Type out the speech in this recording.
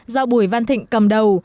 do bùi văn thịnh cầm đầu